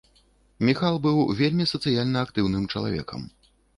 Міхал быў вельмі сацыяльна актыўным чалавекам.